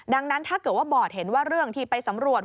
ดังนั้นถ้าเกิดว่าบอร์ดเห็นว่าเรื่องที่ไปสำรวจ